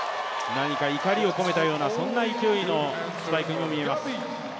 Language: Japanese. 何か怒りを込めたようなそんなスパイクにも見えます。